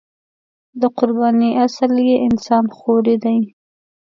د قربانۍ اصل یې انسان خوري دی.